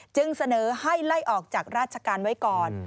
จึงเสนอให้ไล่ออกจากราชการไว้ก่อน